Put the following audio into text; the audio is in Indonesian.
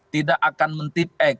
tidak akan men tip ac